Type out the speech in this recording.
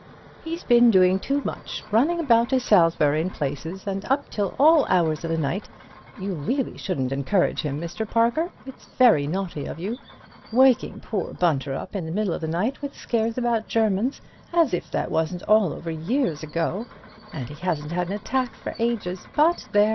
"He's been doing too much—running about to Salisbury and places and up till all hours of the night—you really shouldn't encourage him, Mr. Parker, it's very naughty of you—waking poor Bunter up in the middle of the night with scares about Germans, as if that wasn't all over years ago, and he hasn't had an attack for ages, but there!